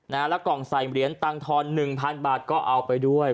แล้วกล่องใส่เหรียญตังทอน๑๐๐บาทก็เอาไปด้วย